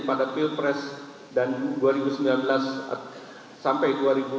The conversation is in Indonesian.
pada pilpres dan dua ribu sembilan belas sampai dua ribu dua puluh